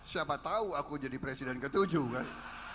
siapa tahu aku jadi presiden ke tujuh kan